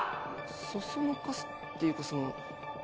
そそのかすっていうかその。